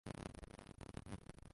agasanduku nini k'umuhondo